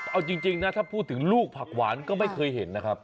เอาจริงนะถ้าพูดถึงลูกผักหวานก็ไม่เคยเห็นนะครับ